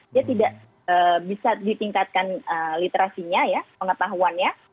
dia tidak bisa ditingkatkan literasinya ya pengetahuannya